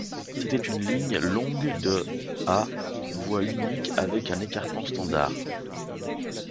C'était une ligne longue de à voie unique avec un écartement standard.